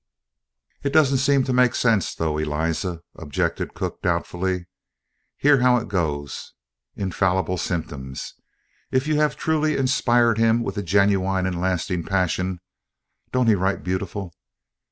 "It don't seem to make sense though, Eliza," objected cook doubtfully. "Hear how it goes on: 'Infallible symptoms. If you have truly inspired him with a genuine and lasting passion' (don't he write beautiful?)